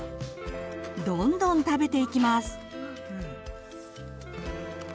どんどん食べていきます。